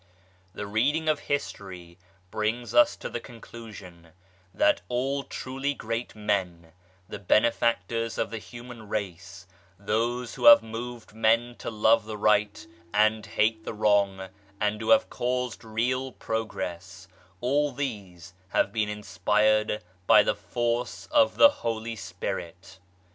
The reading of History brings us to the conclusion that all truly great men, the benefactors of the human race, those who have moved men to love the right and hate the wrong and who have caused real progress, all these have been inspired by the force of the Holy Spirit.